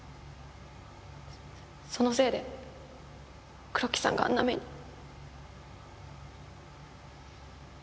そのせいで黒木さんがあんな目に。